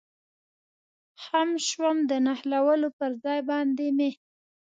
خم شوم، د نښلولو پر ځای باندې مې.